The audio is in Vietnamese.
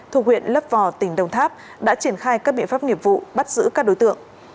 thuộc huyện lấp vò tỉnh đồng tháp đã triển khai các biện pháp nghiệp vụ bắt giữ các đối tượng